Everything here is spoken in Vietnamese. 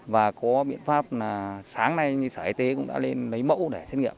và có biện pháp là sáng nay sở y tế cũng đã lên lấy mẫu để xét nghiệm